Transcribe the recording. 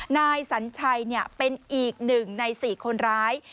นายสัญชัยเป็นอีก๑ใน๔คนร้าย